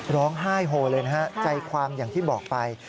ร้องไห้โฮเลยนะฮะใจความอย่างที่บอกไป